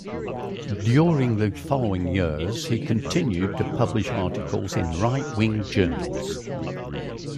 During the following years, he continued to publish articles in right-wing journals.